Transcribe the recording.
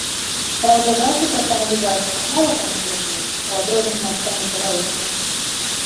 Праўда, жахі пра каналізацыю мала каго турбуюць, у адрозненне ад тэмы тэрарыстаў.